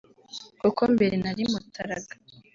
kuko mbere nari mutaraga”